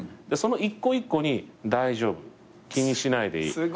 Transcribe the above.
その一個一個に「大丈夫。気にしないでいい。